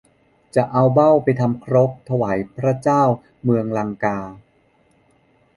จะเอาเบ้าไปทำครกถวายพระเจ้าเมืองลังกา